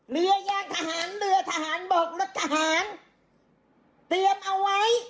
เรือยางทหารเรือทหารบกรถทหารเตรียมเอาไว้